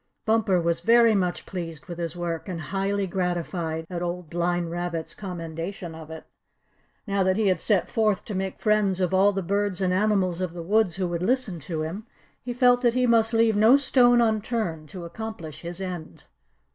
Bumper was very much pleased with his work, and highly gratified at Old Blind Rabbit's commendation of it. Now that he had set forth to make friends of all the birds and animals of the woods who would listen to him, he felt that he must leave no stone unturned to accomplish his end.